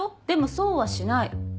でもそうはしない。